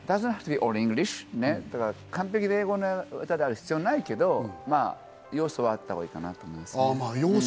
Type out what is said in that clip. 完璧な英語である必要はないけど、要素はあったほうがいいと思いますね。